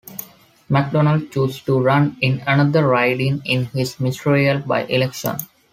Macdonald chose to run in another riding in his ministerial by-election.